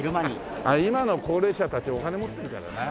今の高齢者たちお金持ってるからな。